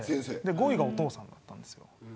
５位がお父さんだったんです。